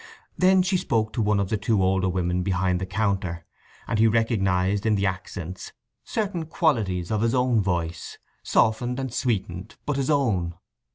Then she spoke to one of the two older women behind the counter; and he recognized in the accents certain qualities of his own voice; softened and sweetened, but his own.